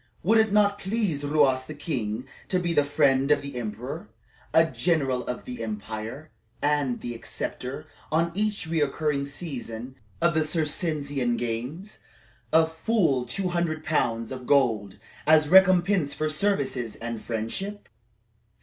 "Would it not please Ruas the king to be the friend of the emperor, a general of the empire, and the acceptor, on each recurring season of the Circensian games, of full two hundred pounds of gold as recompense for service and friendship?"